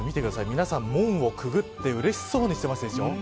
皆さん門をくぐって嬉しそうにしてますでしょう。